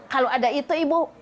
kalau ada itu ibu